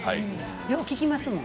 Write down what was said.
よう聞きますもん。